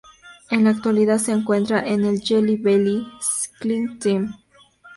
En la actualidad se encuentra en el Jelly Belly cycling Team.